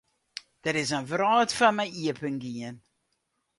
Der is in wrâld foar my iepengien.